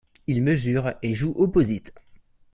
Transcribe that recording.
Il mesure et joue Opposite.